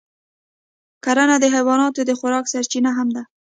کرنه د حیواناتو د خوراک سرچینه هم ده.